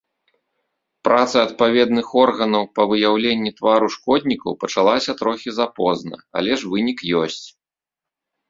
Праца адпаведных органаў па выяўленні твару шкоднікаў пачалася трохі запозна, але ж вынік ёсць.